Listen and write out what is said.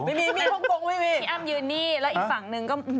พี่อ้ำอยู่นี่แล้วอีกฝั่งนึงก็